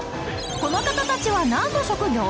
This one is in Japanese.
この方たちはなんの職業？